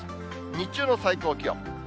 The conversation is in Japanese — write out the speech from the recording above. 日中の最高気温。